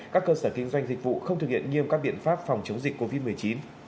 các cơ sở kinh doanh dịch vụ không thực hiện nghiêm các biện pháp phòng chống dịch covid một mươi chín